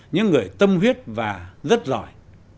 những người tâm huyết và rất giỏi